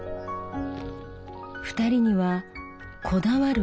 ２人にはこだわる色が。